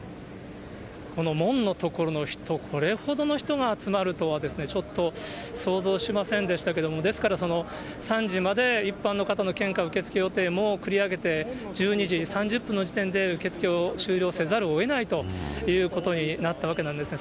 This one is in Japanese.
この門の所の人、これほどの人が集まるとは、ちょっと想像しませんでしたけども、ですから３時まで一般の方の献花受け付け予定も繰り上げて、１２時３０分の時点で受け付けを終了せざるをえないということになったわけなんですね。